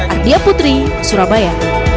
ardia putri surabaya